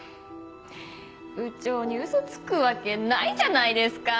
部長にウソつくわけないじゃないですか。